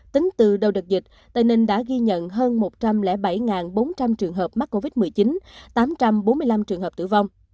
tính từ đầu đợt dịch tây ninh đã ghi nhận hơn một trăm linh bảy bốn trăm linh trường hợp mắc covid một mươi chín tám trăm bốn mươi năm trường hợp tử vong